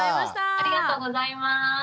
ありがとうございます。